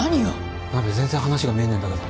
ナベ全然話が見えねえんだけど。